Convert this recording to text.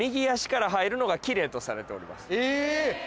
え！